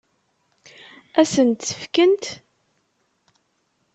Ad sent-t-fkent?